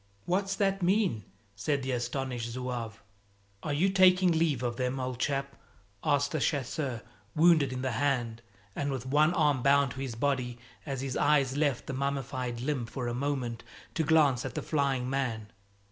"What's that mean?" said the astonished zouave. "Are you taking leave of 'em, old chap?" asked a chasseur wounded in the hand and with one arm bound to his body, as his eyes left the mummified limb for a moment to glance at the flying man.